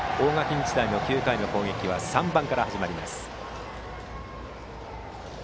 日大の９回の攻撃は３番から始まります。